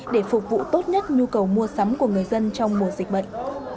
để phục vụ tốt nhất nhu cầu mua sắm của người dân trong mùa dịch bệnh